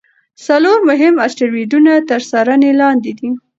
څلور مهم اسټروېډونه تر څارنې لاندې دي.